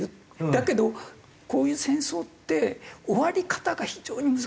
だけどこういう戦争って終わり方が非常に難しいんですよ。